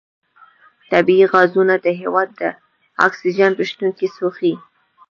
طبیعي غازونه د هوا د اکسیجن په شتون کې سوځي.